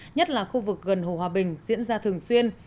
nhất là khu vực gần hồ hòa bình diễn ra thường xuyên